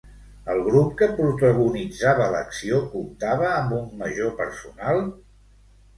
El grup que protagonitzava l'acció, comptava amb un major personal?